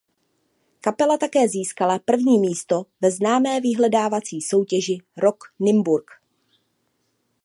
Kapela také získala první místo ve známé vyhledávací soutěži Rock Nymburk.